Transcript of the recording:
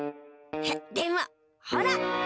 でもほら！